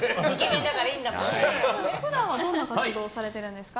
普段はどんな活動をされてるんですか？